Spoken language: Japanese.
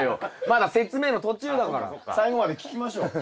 まだ説明の途中だから最後まで聞きましょう。